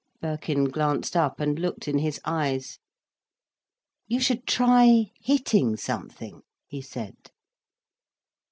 Birkin glanced up and looked in his eyes. "You should try hitting something," he said.